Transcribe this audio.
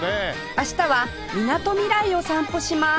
明日はみなとみらいを散歩します